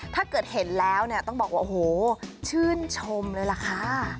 ถ้าเกิดเห็นแล้วเนี่ยต้องบอกว่าโอ้โหชื่นชมเลยล่ะค่ะ